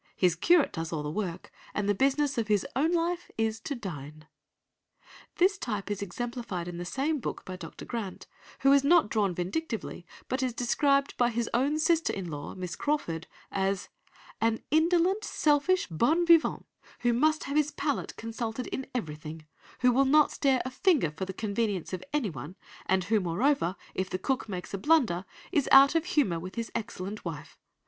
His curate does all the work, and the business of his own life is to dine.'" This type is exemplified in the same book by Dr. Grant, who is not drawn vindictively, but is described by his own sister in law, Miss Crawford, as "'an indolent, selfish bon vivant, who must have his palate consulted in everything; who will not stir a finger for the convenience of anyone; and who, moreover, if the cook makes a blunder, is out of humour with his excellent wife.